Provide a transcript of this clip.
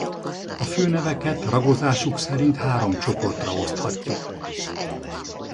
A főneveket ragozásuk szerint három csoportra oszthatjuk.